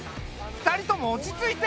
２人とも落ち着いて。